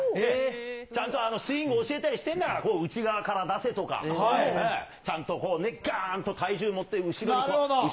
ちゃんとスイング教えたりしてるんだから、内側から出せとか、ちゃんとこうね、ガーンと体重もって、なるほど。